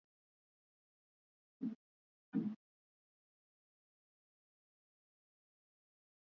ka ulemavu msikilizaji haiwezi kuwa kikwazo cha mtu kuchangua ama kuchaguliwa